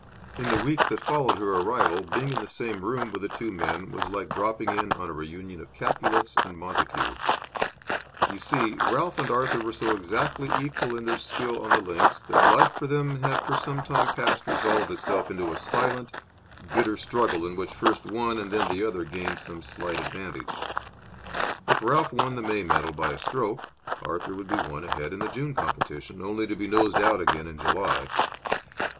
In the weeks that followed her arrival, being in the same room with the two men was like dropping in on a reunion of Capulets and Montagues. You see, Ralph and Arthur were so exactly equal in their skill on the links that life for them had for some time past resolved itself into a silent, bitter struggle in which first one, then the other, gained some slight advantage. If Ralph won the May medal by a stroke, Arthur would be one ahead in the June competition, only to be nosed out again in July.